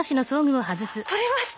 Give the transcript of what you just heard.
取れました！